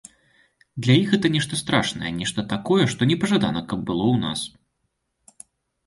Для іх гэта нешта страшнае, нешта такое, што непажадана, каб было ў нас.